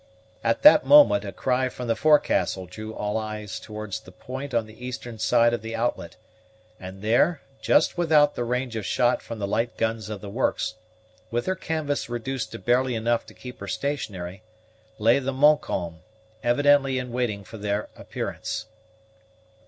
At that moment a cry from the forecastle drew all eyes towards the point on the eastern side of the outlet, and there, just without the range of shot from the light guns of the works, with her canvas reduced to barely enough to keep her stationary, lay the Montcalm, evidently in waiting for their appearance.